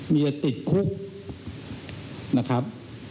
เมียติดคุกนะครับ